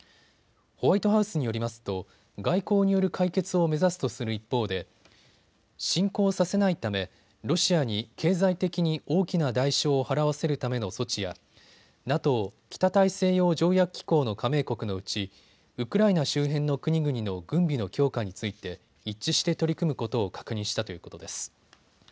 ホワイトハウスによりますと外交による解決を目指すとする一方で侵攻させないためロシアに経済的に大きな代償を払わせるための措置やＮＡＴＯ・北大西洋条約機構の加盟国のうちウクライナ周辺の国々の軍備の強化について一致して取り組むことを確認したということです。